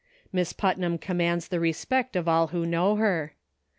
Miss Putnam commands the respect of all who know her.